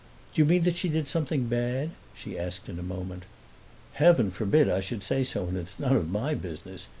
"Do you mean that she did something bad?" she asked in a moment. "Heaven forbid I should say so, and it's none of my business.